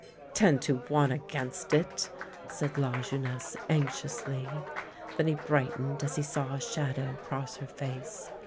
" Ten to one against it! " said Lajeunesse anxiously. Then he brightened as he saw a shadow cross her face.